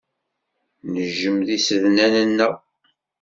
Nejjem tisednan-nneɣ.